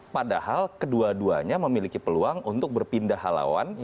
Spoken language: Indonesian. padahal kedua duanya memiliki peluang untuk berpindah halauan